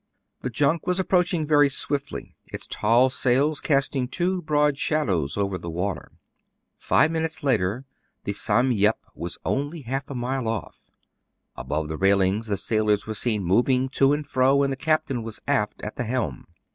The junk was approaching very swiftly, its tall sails casting two broad shadows over the water. Five minutes later the '*Sam Yep" was only half a mile off. Above the railing the sailors were seen moving to and fro, and the captain was aft at the helm.